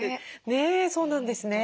ねえそうなんですね。